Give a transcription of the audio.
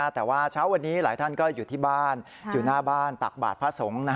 แต่ว่าเช้าวันนี้หลายท่านก็อยู่ที่บ้านอยู่หน้าบ้านตักบาทพระสงฆ์